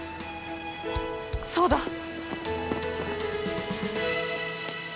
そうだ！